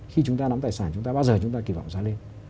khi chúng ta nắm tài sản chúng ta bao giờ chúng ta kỳ vọng giá lên